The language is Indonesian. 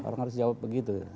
orang harus jawab begitu